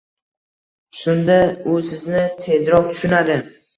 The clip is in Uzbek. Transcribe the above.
Shunda u sizni tezroq tushunadi.